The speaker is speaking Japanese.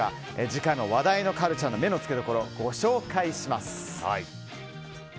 次回も話題のカルチャーの目のつけどころご紹介します。